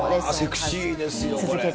セクシーですよ、これ。